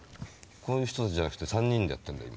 こういう人たちじゃなくて３人でやってんだよ